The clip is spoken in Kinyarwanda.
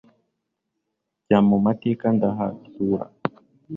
Njya mu mateka ndahandura